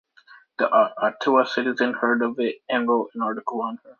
The "Ottawa Citizen" heard of it, and wrote an article on her.